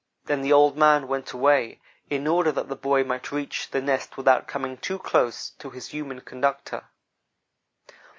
Then the old man went away, in order that the boy might reach the nest without coming too close to his human conductor.